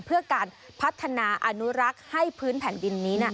เพื่อการพัฒนาอนุรักษ์ให้พื้นแผ่นดินนี้